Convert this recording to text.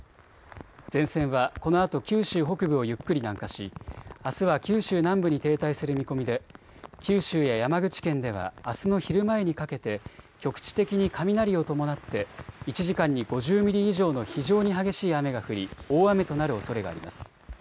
前線はこのあと九州北部をゆっくり南下しあすは九州南部に停滞する見込みで九州や山口県ではあすの昼前にかけて局地的に雷を伴って１時間に５０ミリ以上の非常に激しい雨が降り大雨となるおそれがあります。